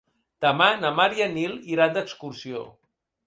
Demà na Mar i en Nil iran d'excursió.